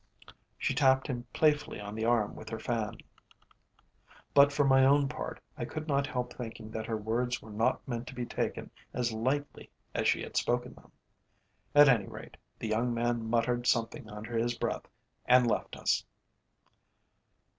She tapped him playfully on the arm with her fan, but for my own part I could not help thinking that her words were not meant to be taken as lightly as she had spoken them. At any rate, the young man muttered something under his breath and left us.